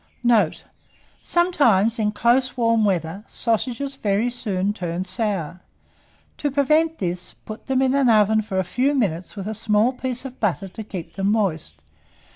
Note. Sometimes, in close warm weather, sausages very soon turn sour; to prevent this, put them in the oven for a few minutes with a small piece of butter to keep them moist.